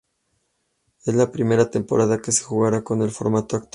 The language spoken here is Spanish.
Es la primera temporada que se jugará con el formato actual.